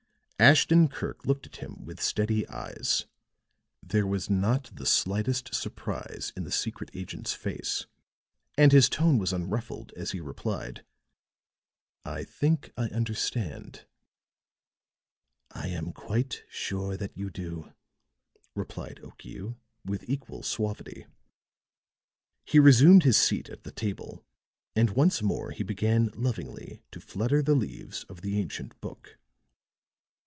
Ashton Kirk looked at him with steady eyes; there was not the slightest surprise in the secret agent's face, and his tone was unruffled as he replied: "I think I understand." "I am quite sure that you do," replied Okiu, with equal suavity. He resumed his seat at the table; and once more he began lovingly to flutter the leaves of the ancient book.